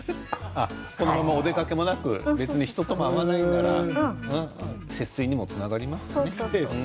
このままお出かけもなく人とも会わないから節水にも、つながりますしね。